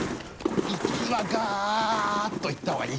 行きはガッといった方がいい。